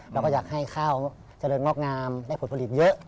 เราก็อยากให้ข้าวเจริญงอกงามได้ผลผลิตเยอะ